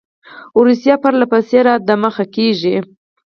روسیه پر له پسې را دمخه کیږي.